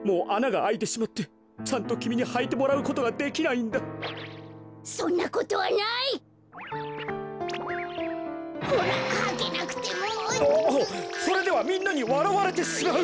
ああそれではみんなにわらわれてしまう。